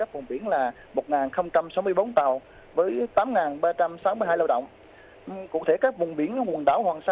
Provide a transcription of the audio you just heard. vùng biển các tỉnh phía nam thì một trăm bốn mươi bảy tàu với chín trăm một mươi một lao động